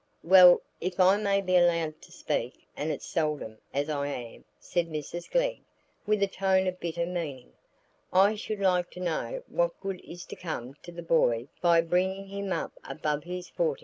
"Well, if I may be allowed to speak, and it's seldom as I am," said Mrs Glegg, with a tone of bitter meaning, "I should like to know what good is to come to the boy by bringin' him up above his fortin."